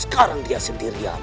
sekarang dia sendirian